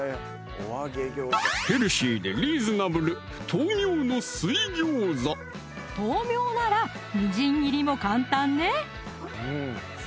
ヘルシーでリーズナブル豆苗ならみじん切りも簡単ね！